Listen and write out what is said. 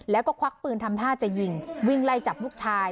แล้วก็ควักปืนทำท่าจะยิงวิ่งไล่จับลูกชาย